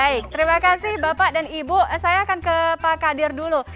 baik terima kasih bapak dan ibu saya akan ke pak kadir dulu